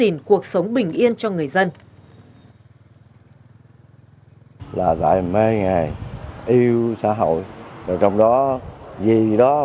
mục tiêu chung là giữ gìn